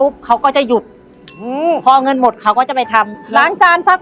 บอกฉันมาเดี๋ยวนี้ไม่ไม่จริงไม่จริง